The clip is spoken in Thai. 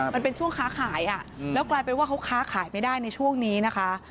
มันเป็นช่วงค้าขายแล้วกลายเป็นว่าเขาค้าขายไม่ได้ในช่วงนี้นะคะ